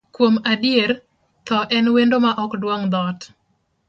Kuom adier, thoo en wendo ma ok duong' dhoot.